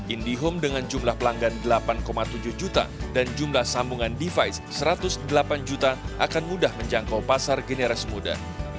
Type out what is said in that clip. indihome dengan jumlah pelanggan delapan tujuh juta dan jumlah sambungan device satu ratus delapan juta akan mudah menjangkau pasar generasi muda